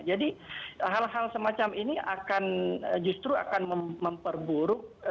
jadi hal hal semacam ini akan justru akan memperburuk